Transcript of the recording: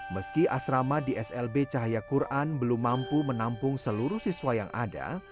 meski asrama di slb cahaya quran belum mampu menampung seluruh siswa yang ada